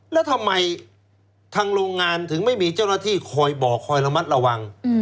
แล้วทำไมทางโรงงานถึงไม่มีเจ้าหน้าที่คอยบอกคอยระมัดระวัง